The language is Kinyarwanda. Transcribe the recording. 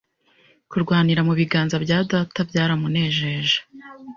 Kurwanira mu biganza bya data byaramunejeje